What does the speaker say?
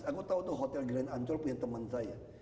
aku tau tuh hotel grand ancol punya temen saya